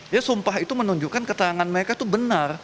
ya sumpah itu menunjukkan keterangan mereka itu benar